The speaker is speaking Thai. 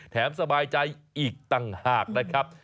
สบายใจอีกต่างหากนะครับ